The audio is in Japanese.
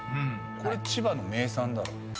これ千葉の名産だろ。